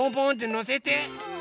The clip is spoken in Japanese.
のせて。